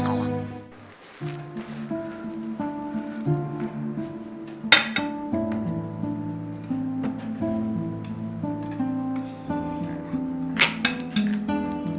bukan enggak enggak